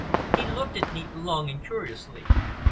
He looked at me long and curiously.